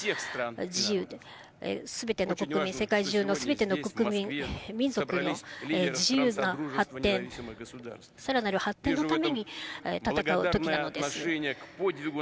自由ですべての国民、世界中のすべての国民、民族の自由な発展、さらなる発展のために戦うときなのです。